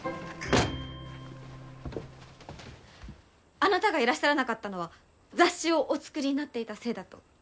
あなたがいらっしゃらなかったのは雑誌をお作りになっていたせいだと。